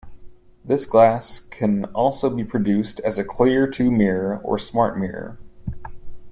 This glass can also be produced as a clear to mirror, or smartmirror.